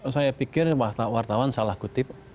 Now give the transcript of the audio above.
saya pikir wartawan salah kutip